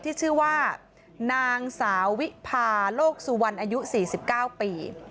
ที่ชื่อว่านางสาววิพาโลกสุวรรณอายุ๔๙ปี